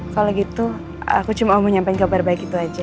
kalau gitu aku cuma mau nyampein kabar baik itu aja